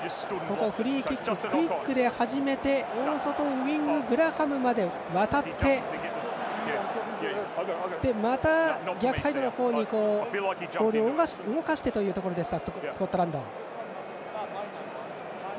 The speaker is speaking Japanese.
フリーキッククイックで始めて大外、ウイングのグラハムまで渡ってまた、逆サイドの方にボールを動かしてというところスコットランド。